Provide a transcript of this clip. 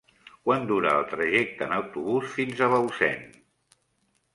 Quant dura el trajecte en autobús fins a Bausen?